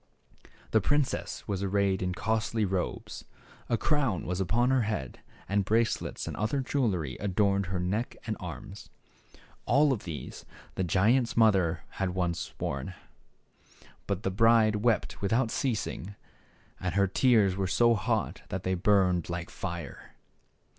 The princess was arrayed in costly robes ; a crown was upon her head, and bracelets and other jewelry adorned her neck and arms. All of these the giant's mother had once worn. But the bride wept without ceasing, and her tears were so hot that they burned 'like fire.